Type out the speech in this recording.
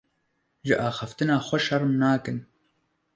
Ji axiftina xwe şerm nakim.